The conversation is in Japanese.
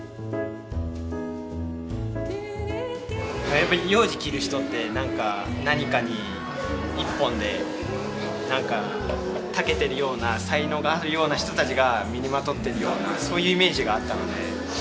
やっぱりヨウジ着る人って何かに一本でたけてるような才能があるような人たちが身にまとってるようなそういうイメージがあったので。